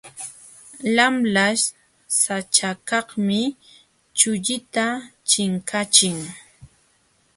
Lamlaśh saćhakaqmi chullita chinkachin.